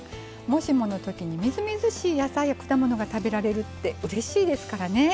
もしものときにみずみずしい野菜や果物が食べられるってうれしいですからね。